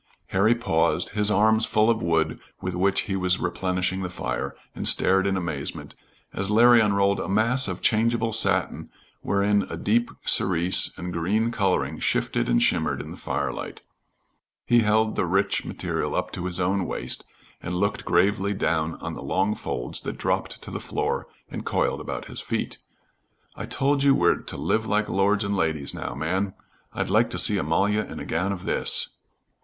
Harry paused, his arms full of wood with which he was replenishing the fire, and stared in amazement, as Larry unrolled a mass of changeable satin wherein a deep cerise and green coloring shifted and shimmered in the firelight. He held the rich material up to his own waist and looked gravely down on the long folds that dropped to the floor and coiled about his feet. "I told you we're to live like lords and ladies now. Man! I'd like to see Amalia in a gown of this!"